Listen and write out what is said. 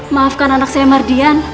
maafkan anak saya mardian